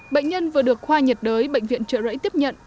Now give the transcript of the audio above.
bệnh nhân vừa được khoa nhiệt đới bệnh viện trợ rẫy tiếp nhận